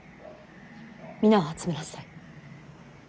皆を集めなさい。